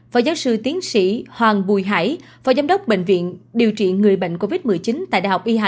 phó giáo sư tiến sĩ hoàng bùi hải phó giám đốc bệnh viện điều trị người bệnh covid một mươi chín tại đại học y hà